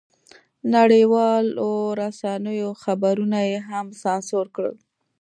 نړیوالو رسنیو خبرونه یې هم سانسور کړل.